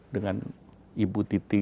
dengan ibu titi